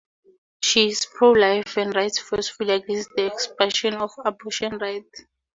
She is pro-life and writes forcefully against the expansion of abortion rights.